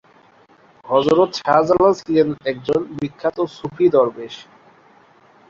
হযরত শাহজালাল ছিলেন একজন বিখ্যাত সুফি দরবেশ।